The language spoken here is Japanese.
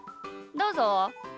どうぞ。